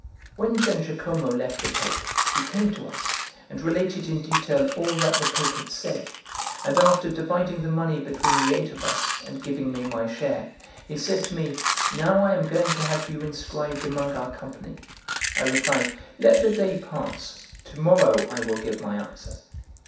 When Giangiacomo left the Pope, he came to us, and related in detail all that the Pope had said; and after dividing the money between the eight of us, and giving me my share, he said to me: "Now I am going to have you inscribed among our company." I replied: "Let the day pass; to morrow I will give my answer."